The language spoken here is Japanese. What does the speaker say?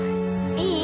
いい？